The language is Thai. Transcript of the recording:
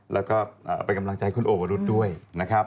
แล้วก็เป็นกำลังใจให้คุณโอวรุษด้วยนะครับ